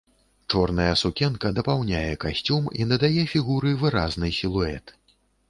Чорная сукенка дапаўняе касцюм і надае фігуры выразны сілуэт.